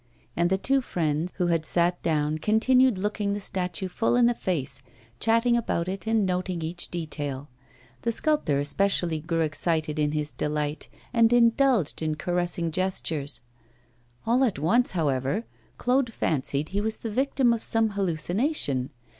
And the two friends, who had sat down, continued looking the statue full in the face, chatting about it and noting each detail. The sculptor especially grew excited in his delight, and indulged in caressing gestures. All at once, however, Claude fancied he was the victim of some hallucination.